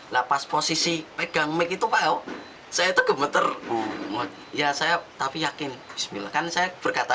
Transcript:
lapas posisi pegang mic itu pak saya gemeter ya saya tapi yakin bismillah kan saya berkata